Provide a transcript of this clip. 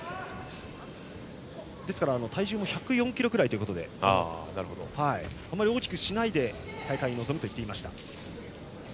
ですから体重も１０４ｋｇくらいということであまり大きくしないで大会に臨むと言っていました。